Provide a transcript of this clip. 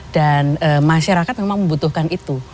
dan masyarakat memang membutuhkan itu